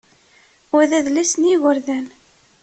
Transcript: Wa d adlis n yigerdan.